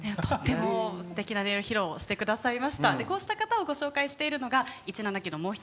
すてきな音を披露してくださいました。